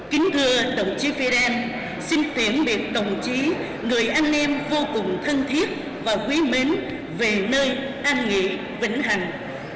kính thưa đồng chí fidel xin tuyển biệt đồng chí người anh em vô cùng thân thiết và quý mến về nơi an nghỉ vĩnh hành